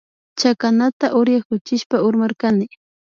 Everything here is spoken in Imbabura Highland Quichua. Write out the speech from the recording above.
Chakanata uraykuchishpa urmarkani